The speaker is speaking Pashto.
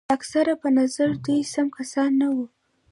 د اکثرو په نظر دوی سم کسان نه وو.